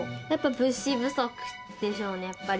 物資不足でしょうね、やっぱり。